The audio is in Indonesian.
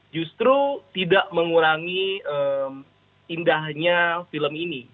justru tidak mengurangi indahnya film ini